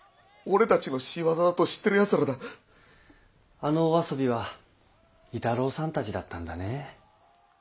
あのお遊びは亥太郎さんたちだったんだねえ。